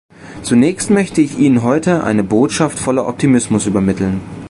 Zunächst möchte ich Ihnen heute eine Botschaft voller Optimismus übermitteln.